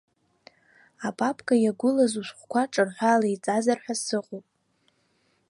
Апапка иагәылаз ушәҟәқәа ҿырҳәала иҵазар хәа сыҟоуп.